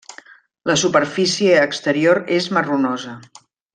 La superfície exterior és marronosa.